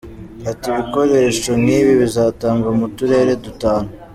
Ati” Ibikoresho nk’ibi bizatangwa mu turere dutanu.